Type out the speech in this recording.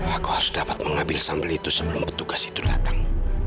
aku harus dapat mengambil sampel itu sebelum petugas itu datang